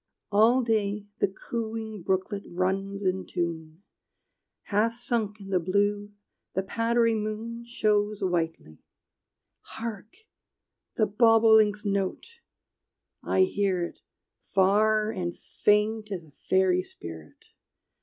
All day the cooing brooklet runs in tune: Half sunk i' th' blue, the powdery moon Shows whitely. Hark, the bobolink's note! I hear it, Far and faint as a fairy spirit!